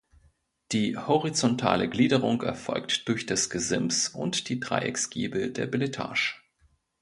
Die horizontale Gliederung erfolgt durch das Gesims und die Dreiecksgiebel der Beletage.